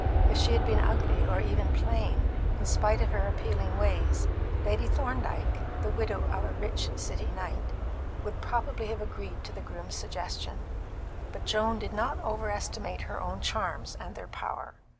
If she had been ugly, or even plain, in spite of her appealing ways, Lady Thorndyke (the widow of a rich City knight) would probably have agreed to the groom's suggestion; but Joan did not overestimate her own charms and their power.